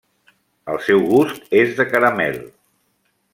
El seu gust és de caramel.